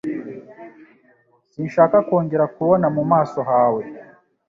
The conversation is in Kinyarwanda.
Sinshaka kongera kubona mu maso hawe.